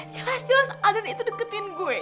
jelas jelas alun itu deketin gue